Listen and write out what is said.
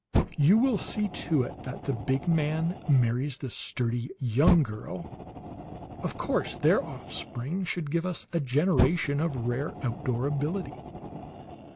You will see to it that the big man marries the sturdy young girl, of course; their offspring should give us a generation of rare outdoor ability.